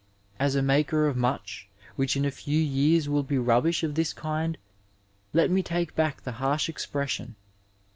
As a maker of much which in a few years will be rvtbish of this kind, let me take back the harsh expression.